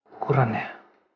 ukuran nya mas